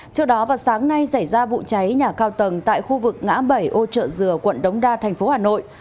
trước đó vào sáng nay xảy ra vụ cháy nhà cao tầng tại khu vực ngã bảy ô trợ dừa quận đống đa thành phố hà nội